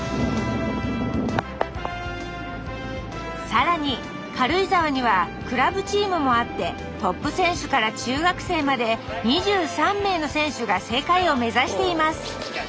更に軽井沢にはクラブチームもあってトップ選手から中学生まで２３名の選手が世界を目指しています